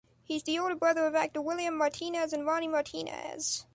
He's the older brother of actor William Martínez and Ronnie Martínez.